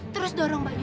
terus dorong mbak yu